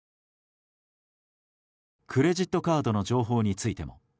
クレジットカードの情報についても。